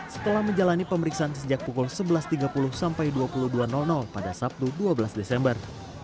setelah menjalani pemeriksaan sejak pukul sebelas tiga puluh sampai dua puluh dua pada sabtu dua belas desember